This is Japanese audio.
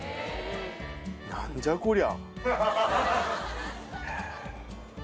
何じゃこりゃ！？